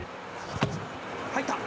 入った。